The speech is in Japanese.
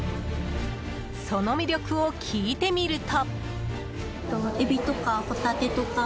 その魅力を聞いてみると。